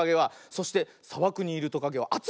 そしてさばくにいるトカゲはあついよ。